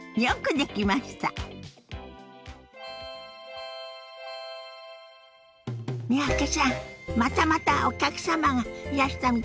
またまたお客様がいらしたみたいよ。